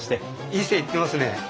いい線いってますね。